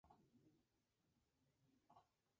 Su teatro se pertenece a la Red de Teatros Andaluces.